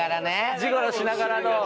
ジゴロしながらの！